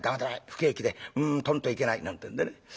不景気でとんといけない」なんてんでね。